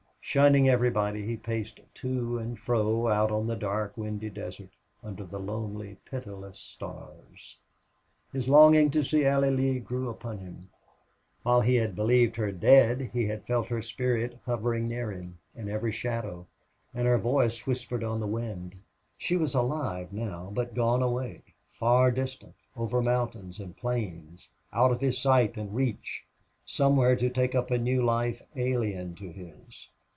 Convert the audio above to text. Shunning everybody, he paced to and fro out on the dark, windy desert, under the lonely, pitiless stars. His longing to see Allie Lee grew upon him. While he had believed her dead he had felt her spirit hovering near him, in every shadow, and her voice whispered on the wind. She was alive now, but gone away, far distant, over mountains and plains, out of his sight and reach, somewhere to take up a new life alien to his.